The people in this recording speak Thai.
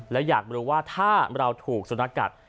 แล้วอยากรู้ว่าถ้าเราถูกสุนัขกัด